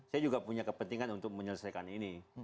saya juga punya kepentingan untuk menyelesaikan ini